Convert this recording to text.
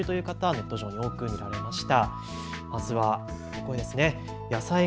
ネット上に多く見られました。